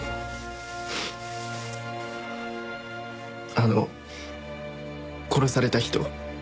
あの殺された人は。